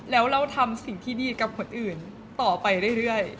แล้วเราทำสิ่งที่ดีกับคนอื่นต่อไปเรื่อย